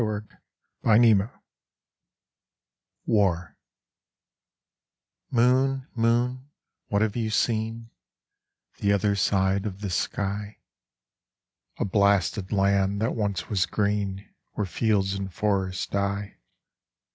16 SONGS OF WAR WAR Moon, moon, what have you seen The other side of the sky? A blasted land that once was green, Where fields and forests die.